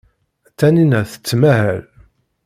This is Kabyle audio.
Taninna tettmahal.